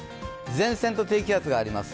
前線と低気圧があります。